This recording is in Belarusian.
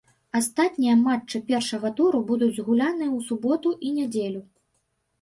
Астатнія матчы першага туру будуць згуляныя ў суботу і нядзелю.